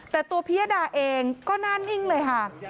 แต่ตัวพิยดาเองก็หน้านิ่งเลยค่ะ